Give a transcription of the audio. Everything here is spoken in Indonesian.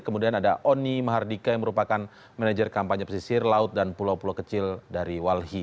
kemudian ada oni mahardika yang merupakan manajer kampanye pesisir laut dan pulau pulau kecil dari walhi